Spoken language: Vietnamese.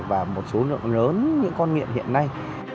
và một số lượng lớn những con nghiện hiện nay